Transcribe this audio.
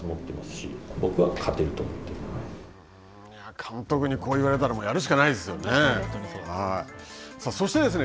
監督にこう言われたらやるしかないですよね。